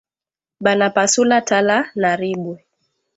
Bana pasula tala na ribwe